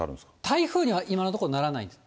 台風には今のところ、ならないんです。